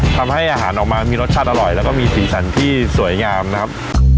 ทำให้อาหารออกมามีรสชาติอร่อยแล้วก็มีสีสันที่สวยงามนะครับ